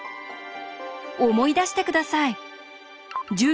思い出して下さい。